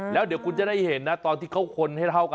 แล้วเดี๋ยวคุณจะได้เห็นนะตอนที่เขาคนให้เท่ากัน